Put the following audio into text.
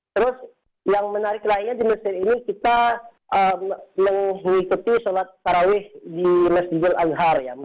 terus yang menarik lainnya di masjid ini kita mengikuti sholat tarawih di masjid al har ya